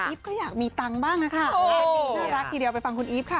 ก็อยากมีตังค์บ้างนะคะน่ารักทีเดียวไปฟังคุณอีฟค่ะ